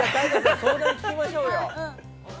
相談聞きましょうよ。